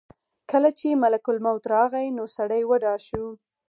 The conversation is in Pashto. کله چې ملک الموت راغی نو سړی وډار شو.